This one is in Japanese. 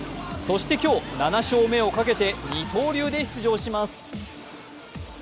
そして今日、７勝目をかけて二刀流で出場します。